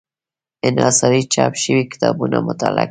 انحصاري چاپ شوي کتابونه مطالعه کول.